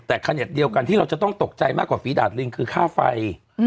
แต่ขนาดเดียวกันที่เราจะต้องตกใจมากกว่าฝีดาดลิงคือค่าไฟ